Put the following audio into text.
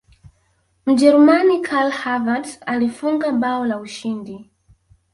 mjerumani karl havertz alifunga bao la ushindi